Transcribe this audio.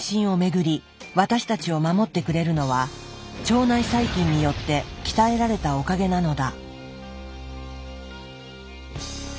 私たちを守ってくれるのは腸内細菌によって鍛えられたおかげなのだ。